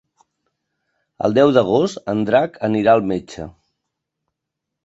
El deu d'agost en Drac anirà al metge.